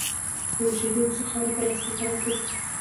له وچېدو وروسته خاوره پلاستیک حالت ته ځي